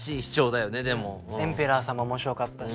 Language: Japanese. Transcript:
エンペラーさんも面白かったし。